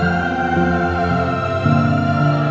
aku mau denger